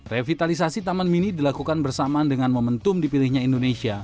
revitalisasi taman mini dilakukan bersamaan dengan momentum dipilihnya indonesia